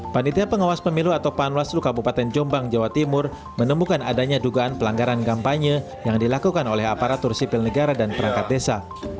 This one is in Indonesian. panitia pengawas pemilu atau panwaslu kabupaten jombang jawa timur menemukan adanya dugaan pelanggaran kampanye yang dilakukan oleh aparatur sipil negara dan perangkat desa